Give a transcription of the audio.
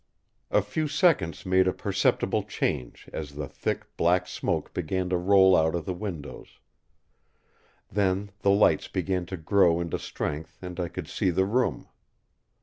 A few seconds made a perceptible change as the thick, black smoke began to roll out of the windows. Then the lights began to grow into strength and I could see the room.